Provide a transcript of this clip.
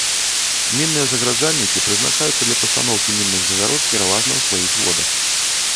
Мінныя загараджальнікі прызначаюцца для пастаноўкі мінных загарод пераважна ў сваіх водах.